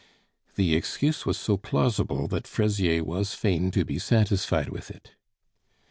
The excuse was so plausible that Fraisier was fain to be satisfied with it.